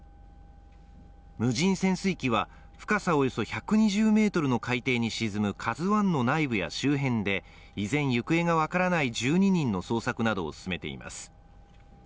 無人潜水機は、深さおよそ１２０ｍの海底に沈む「ＫＡＺＵⅠ」の内部や周辺で依然、行方が分からない１２人の捜索などを進めています。